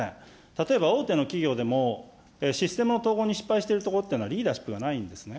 例えば、大手の企業でもシステムの統合に失敗しているところというのはリーダーシップがないんですね。